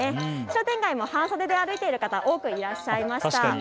商店街も半袖で歩いている方、多くいらっしゃいました。